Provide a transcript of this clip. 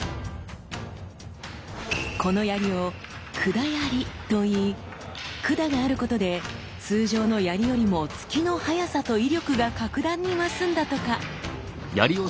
この槍を「管槍」と言い管があることで通常の槍よりも突きの速さと威力が格段に増すんだとか。